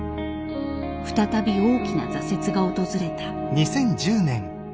再び大きな挫折が訪れた。